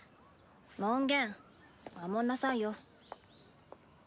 門限守んなさいよ。